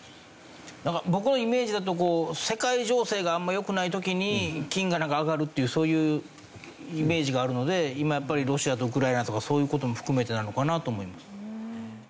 なんか僕のイメージだと世界情勢があんま良くない時に金が上がるっていうそういうイメージがあるので今やっぱりロシアとウクライナとかそういう事も含めてなのかなと思います。